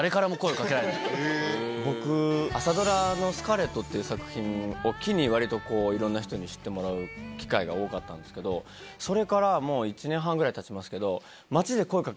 僕朝ドラの『スカーレット』っていう作品を機に割とこういろんな人に知ってもらう機会が多かったんですけどそれからもう１年半ぐらい経ちますけど。